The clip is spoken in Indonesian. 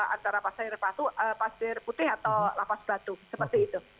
antara pasir putih atau lapas batu seperti itu